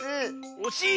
おしい？